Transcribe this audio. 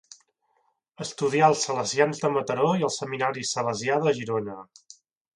Estudià als Salesians de Mataró i al Seminari Salesià de Girona.